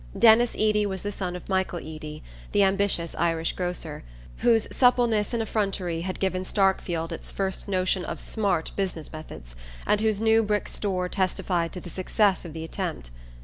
Denis Eady was the son of Michael Eady, the ambitious Irish grocer, whose suppleness and effrontery had given Starkfield its first notion of "smart" business methods, and whose new brick store testified to the success of the attempt.